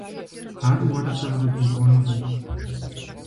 Ар уэрэ сэрэ къыдгурыӀуэнукъым.